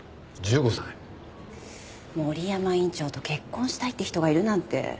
森山院長と結婚したいって人がいるなんて。